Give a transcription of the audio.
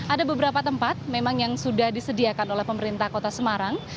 ada beberapa tempat memang yang sudah disediakan oleh pemerintah kota semarang